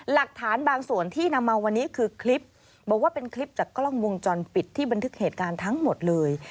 หลักฐานบางส่วนที่นำมาวันนี้คือคลิปบอกว่าเป็นคลิปจากกล้องวงจรปิดที่บันทึกเหตุการณ์ทั้งหมดเลย